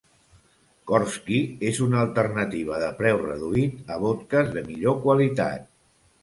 Korski és una alternativa de preu reduït a vodkes de millor qualitat.